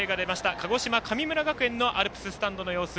鹿児島の神村学園のアルプススタンドの様子